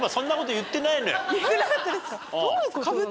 言ってなかったですか？